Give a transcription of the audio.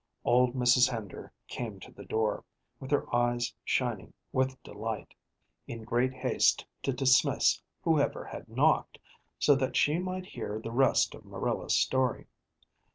Old Mrs. Hender came to the door, with her eyes shining with delight, in great haste to dismiss whoever had knocked, so that she might hear the rest of Marilla's story.